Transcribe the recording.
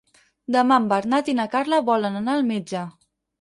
Demà en Bernat i na Carla volen anar al metge.